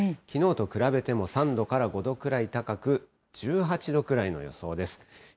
きのうと比べても３度から５度くらい高く、１８度くらいの予想です。